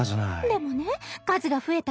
でもね数が増えた